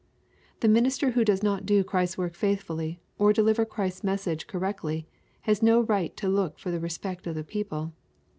The minister who does not do Christ's work faithfully, or deliver Christ's message correctly, has no right to look for the respect of the people.